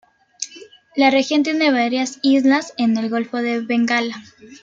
La región tiene varias islas en el golfo de Bengala.